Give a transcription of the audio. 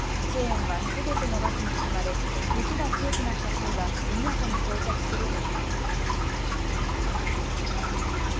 チェーンはすべてのバスに積まれ雪が強くなった際は速やかに装着するということです。